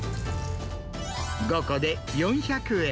５個で４００円。